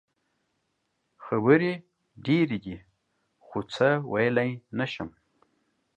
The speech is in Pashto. خبرې ډېرې دي خو څه ویلې نه شم.